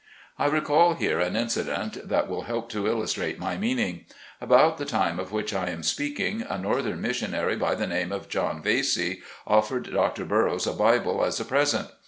I recall here an incident that will help to illus trate my meaning. About the time of which I am speaking, a northern missionary by the name of John Vassey, offered Dr. Burrows a Bible as a pres ent.